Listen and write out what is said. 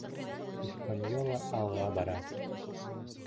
«Испаньола» алға бара.